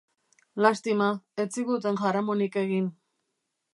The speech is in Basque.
Lastima, ez ziguten jaramonik egin.